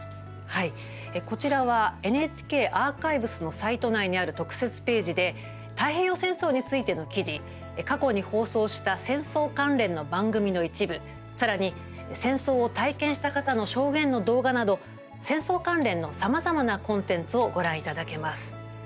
こちらはＮＨＫアーカイブスのサイト内にある特設ページで太平洋戦争についての記事過去に放送した戦争関連の番組の一部さらに戦争を体験した方の証言の動画など戦争関連のさまざまなコンテンツをご覧いただけます。